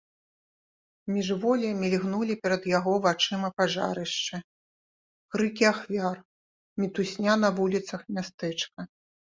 Міжволі мільгнулі перад яго вачыма пажарышчы, крыкі ахвяр, мітусня на вуліцах мястэчка.